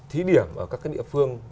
thí điểm ở các cái địa phương